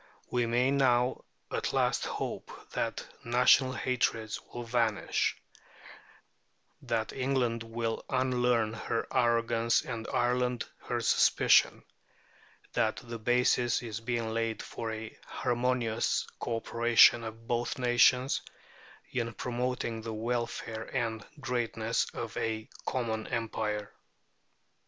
We may now at last hope that national hatreds will vanish; that England will unlearn her arrogance and Ireland her suspicion; that the basis is being laid for a harmonious co operation of both nations in promoting the welfare and greatness of a common Empire.